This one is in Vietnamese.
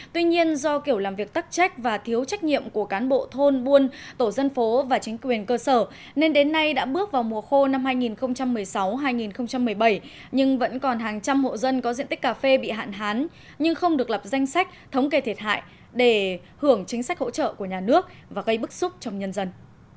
tuy nhiên do kiểu làm việc tắc trách và thiếu trách nhiệm của cán bộ thôn buôn tổ dân phố và chính quyền cơ sở nên đến nay đã bước vào mùa khô năm hai nghìn một mươi sáu hai nghìn một mươi bảy nhưng vẫn còn hàng trăm hộ dân có diện tích cà phê bị hạn hán nhưng không được lập danh sách thống kê thiệt hại để hưởng chính sách hỗ trợ của nhà nước và gây bức xúc trong nhân dân